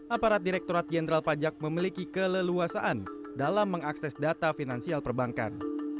aparat direkturat jenderal pajak memiliki keleluasaan dalam mengakses data finansial perbankan